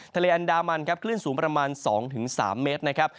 ทะเลอันดามันครับคลื่นสูงประมาณ๒๓เมตรนะครับ